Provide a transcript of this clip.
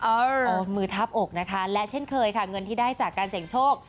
เอามือทับอกนะคะและเช่นเคยค่ะเงินที่ได้จากการเสี่ยงโชค